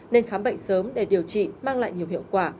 nên khám bệnh sớm để điều trị mang lại nhiều hiệu quả